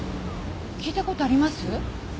聞いたことあります？